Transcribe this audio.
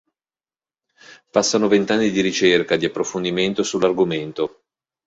Passano vent’anni di ricerca, di approfondimento, sull’argomento.